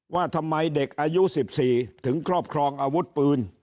ว่าทำไมเด็กอายุ๑๔ถึงครอบครองอาวุธปืน